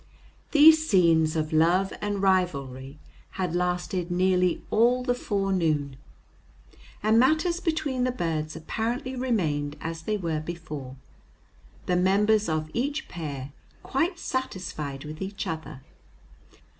These scenes of love and rivalry had lasted nearly all the forenoon, and matters between the birds apparently remained as they were before the members of each pair quite satisfied with each other.